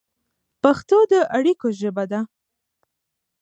پښتو د اړیکو ژبه ده.